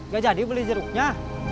gak jadi beli jeruknya